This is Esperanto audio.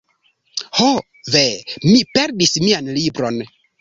Ho ve! Mi perdis mian libron